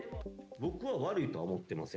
僕は悪いとは思ってません。